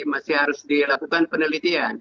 masih harus dilakukan penelitian